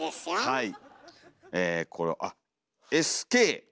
はい。